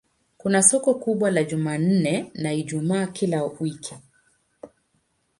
Kuna soko kubwa la Jumanne na Ijumaa kila wiki.